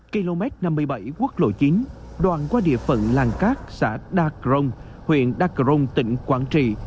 km năm mươi bảy quốc lộ chín đoạn qua địa phận làng cát xã đa crong huyện đắk rồng tỉnh quảng trị